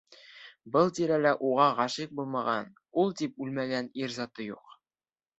Был тирәлә уға ғашиҡ булмаған, ул тип үлмәгән ир заты юҡ.